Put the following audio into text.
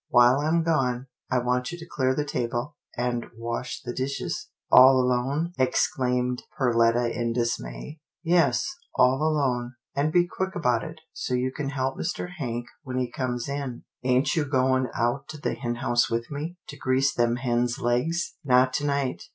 While I'm gone, I want you to clear the table, and wash the dishes." " All alone," exclaimed Perletta in dismay. " Yes, all alone, and be quick about it, so you can help Mr. Hank when he comes in," 52 'TILDA JANE'S ORPHANS " Ain't you goin' out to the hen house with me, to grease them hens' legs? "" Not to night.